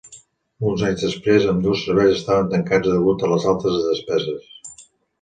Uns anys després, ambdós serveis estaven tancats degut a les altes despeses.